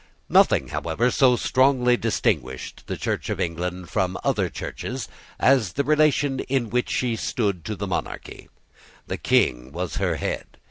Nothing, however, so strongly distinguished the Church of England from other Churches as the relation in which she stood to the monarchy. The King was her head.